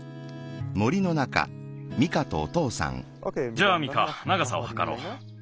じゃあミカながさをはかろう。